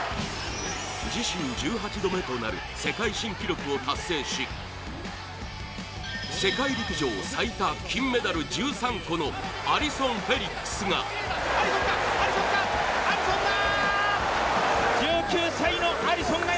自身１８度目となる世界新記録を達成し世界陸上最多金メダル１３個のアリソン・フェリックスがアリソンか！